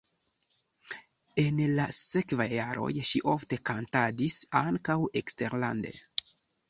En la sekvaj jaroj ŝi ofte kantadis ankaŭ eksterlande.